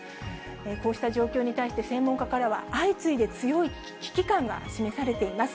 こうした状況に対して専門家からは、相次いで強い危機感が示されています。